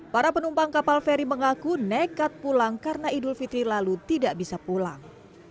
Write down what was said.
para penumpang kapal feri mengaku nekat pulang karena idul fitri lalu tidak bisa pulang